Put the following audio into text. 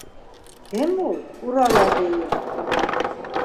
— Кем ул, Урал әбейе?